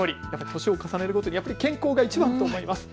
年を重ねるごとにやっぱり健康がいちばんと思います。